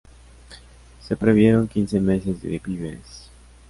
Se previeron quince meses de víveres.